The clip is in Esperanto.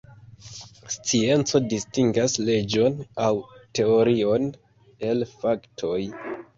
Scienco distingas leĝon aŭ teorion el faktoj.